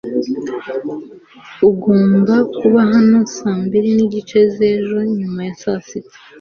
Ugomba kuba hano saa mbiri n'igice z'ejo nyuma ya saa sita.